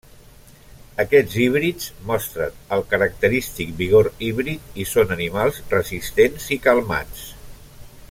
Aquests híbrids mostren el característic vigor híbrid i són animals resistents i calmats.